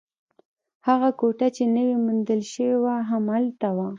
هغه کوټه چې نوې موندل شوې وه، هم هلته وه.